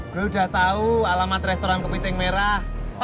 gue udah tau alamat restoran kepiting merah